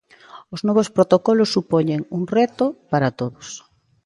Os novos protocolos supoñen un reto para todos.